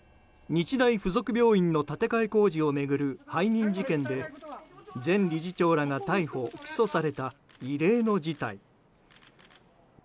日大附属病院の建て替え工事を巡る背任事件で前理事長らが逮捕・起訴された異例の事態。